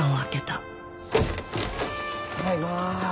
ただいま。